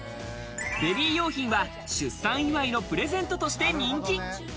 ベビー用品は出産祝いのプレゼントとして人気。